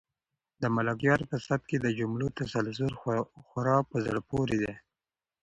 د ملکیار په سبک کې د جملو تسلسل خورا په زړه پورې دی.